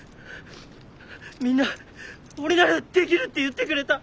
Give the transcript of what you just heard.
みんな俺ならできるって言ってくれた。